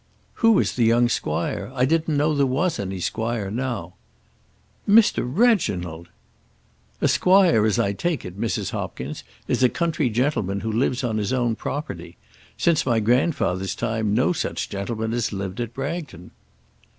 "Who is the young squire? I didn't know there was any squire now." "Mr. Reginald!" "A squire as I take it, Mrs. Hopkins, is a country gentleman who lives on his own property. Since my grandfather's time no such gentleman has lived at Bragton."